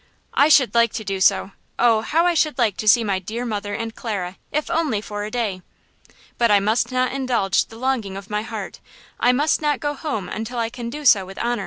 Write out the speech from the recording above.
"I should like to do so! Oh, how I should like to see my dear mother and Clara, if only for a day! but I must not indulge the longing of my heart. I must not go home until I can do so with honor!"